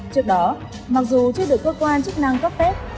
trước đó mặc dù chưa được cơ quan chức năng cấp phép